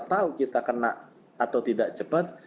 tahu kita kena atau tidak cepat